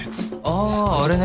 あぁあれね。